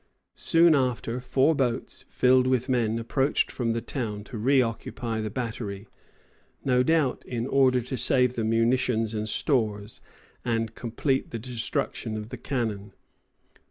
Soon after, four boats, filled with men, approached from the town to re occupy the battery, no doubt in order to save the munitions and stores, and complete the destruction of the cannon.